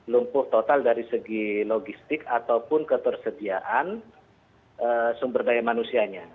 lumpuh total dari segi logistik ataupun ketersediaan sumber daya manusianya